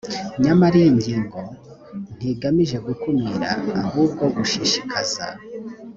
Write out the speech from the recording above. nyamara iyi ngingo ntigamije gukumira ahubwo gushishikaza